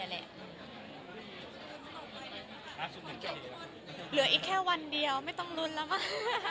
เหลืออีกแค่วันเดียวไม่ต้องรุนแล้วมา